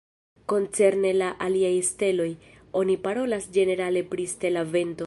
Koncerne al aliaj steloj, oni parolas ĝenerale pri stela vento.